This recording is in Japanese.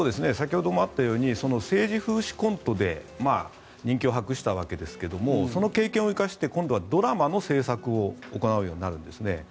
先ほどもあったように政治風刺コントで人気を博したわけですけどもその経験を生かして今度はドラマの制作を行うようになるんですね。